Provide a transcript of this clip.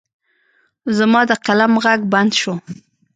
زما د قلم غږ بند شو.